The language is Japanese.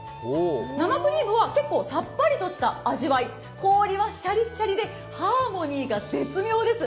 生クリームは結構さっぱりとした味わい、氷はシャリシャリで、ハーモニーが絶妙です。